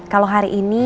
kalau hari ini